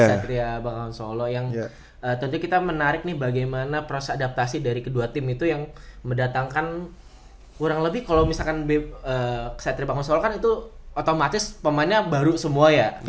satria bangawan solo yang tentu kita menarik nih bagaimana proses adaptasi dari kedua tim itu yang mendatangkan kurang lebih kalau misalkan satria pangosolo kan itu otomatis pemainnya baru semua ya